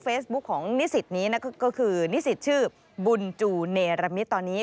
ของนิสิตนี้ก็คือนิสิตชื่อบุญจูเนรมิตตอนนี้